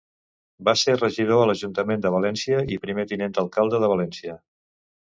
Va ser regidor a l'Ajuntament de València i Primer Tinent d'Alcalde de València.